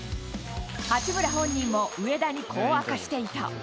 八村本人も、上田にこう明かしていた。